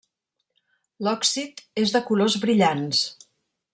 L'òxid és de colors brillants.